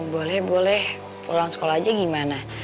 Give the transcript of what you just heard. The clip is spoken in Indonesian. boleh boleh pulang sekolah aja gimana